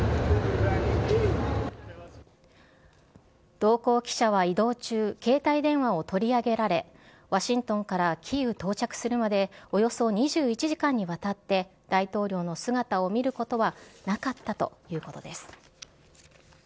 同行記者は移動中、携帯電話を取り上げられ、ワシントンからキーウ到着するまで、およそ２１時間にわたって、大統領の姿を見ることはなかったということです。